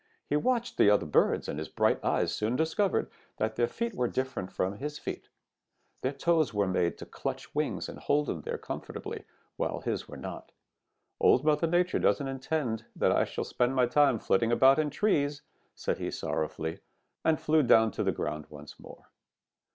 He watched the other birds, and his bright eyes soon discovered that their feet were different from his feet. Their toes were made to clutch twigs and hold them there comfortably, while his were not. 'Old Mother Nature doesn't intend that I shall spend my time flitting about in trees,' said he sorrowfully, and flew down to the ground once more.